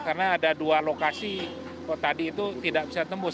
karena ada dua lokasi tadi itu tidak bisa tembus